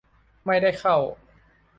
ไม่ได้เข้า